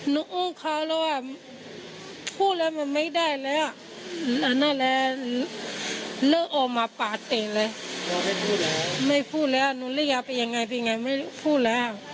ไม่พูดแล้วหนูเรียกว่าไปอย่างไรไปอย่างไรไม่พูดแล้ว